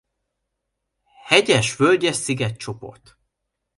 Hegyes-völgyes szigetcsoport.